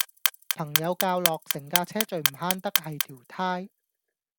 朋友教落成架車最唔慳得係條呔